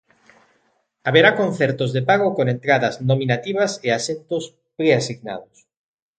Haberá concertos de pago con entradas nominativas e asentos preasignados.